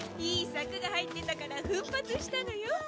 いいサクが入ってたから奮発したのよ。